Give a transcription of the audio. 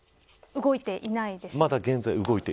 動いていないです。